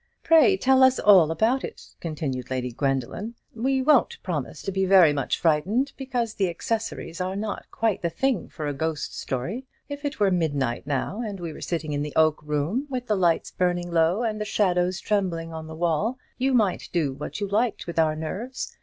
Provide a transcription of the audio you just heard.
"Pray tell us all about it," continued Lady Gwendoline. "We won't promise to be very much frightened, because the accessories are not quite the thing for a ghost story. If it were midnight now, and we were sitting in the oak room, with the lights burning low, and the shadows trembling on the wall, you might do what you liked with our nerves.